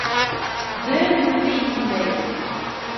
Бер һүҙе иҫемдә юҡ!